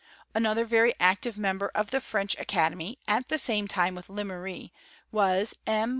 Another very active member of the French Aca« demy, at the same time with Lemery, was M.